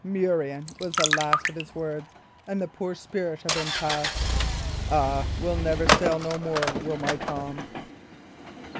'Murrain' was the last of his words, and the poor spirit of him passed. 'A will never sail no more, will my Tom.'"